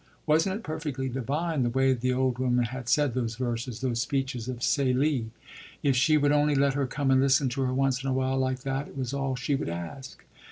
Wasn't it perfectly divine, the way the old woman had said those verses, those speeches of Célie? If she would only let her come and listen to her once in a while like that it was all she would ask.